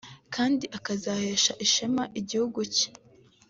kandi akazahesha ishema igihugu cye